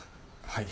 はい。